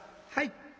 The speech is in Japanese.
「はい」。